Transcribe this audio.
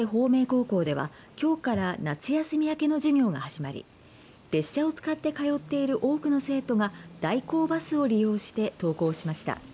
高校ではきょうから夏休み明けの授業が始まり列車を使って通っている多くの生徒が代行バスを利用して登校しました。